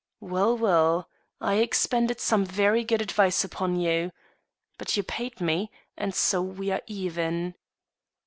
Well, well; I expended some very good advice upon you. But you paid me, and so we are even."